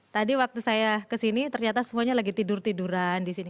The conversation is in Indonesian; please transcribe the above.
tadi waktu saya kesini ternyata semuanya lagi tidur tiduran di sini